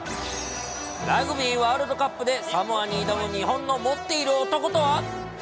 ラグビーワールドカップでサモアに挑む日本の持っている男とは？